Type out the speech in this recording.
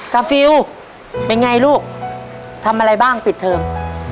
ฟิลเป็นไงลูกทำอะไรบ้างปิดเทอม